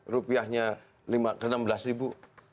rupiahnya enam belas ribu